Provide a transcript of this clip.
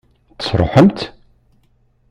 Tesṛuḥem-tt?